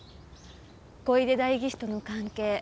小出代議士との関係